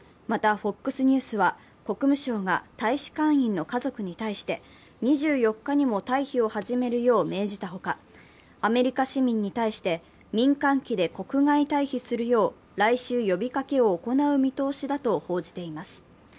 またＦＯＸニュースは国務省が大使館員の家族に対して２４日にも退避を始めるよう命じたほか、アメリカ市民に対して民間機で国外退避するよう来週呼びかけを行う見通しだと報じています。